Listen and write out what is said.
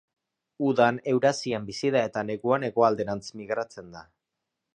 Udan Eurasian bizi da eta neguan hegoalderantz migratzen da.